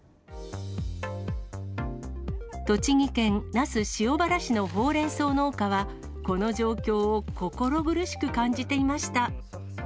栃木県那須塩原市のほうれんそう農家は、この状況を心苦しく感じていました。